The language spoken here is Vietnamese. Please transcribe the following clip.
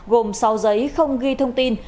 gồm sáu giấy không ghi thông tin